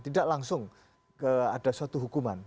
tidak langsung ada suatu hukuman